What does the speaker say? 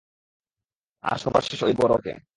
আর সবার শেষে ঐ বরকে।